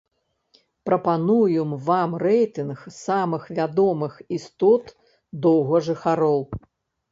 Прапануем вам рэйтынг самых вядомых істот-доўгажыхароў.